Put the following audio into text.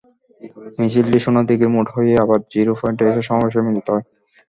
মিছিলটি সোনাদীঘির মোড় হয়ে আবার জিরো পয়েন্টে এসে সমাবেশে মিলিত হয়।